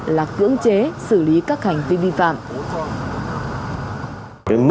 là cưỡng chế xử lý các hành vi vi phạm